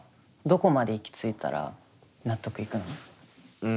うん。